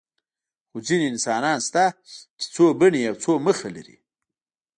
خو ځینې انسانان شته چې څو بڼې او څو مخه لري.